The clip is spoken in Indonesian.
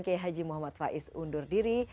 keihaji muhammad faiz undur diri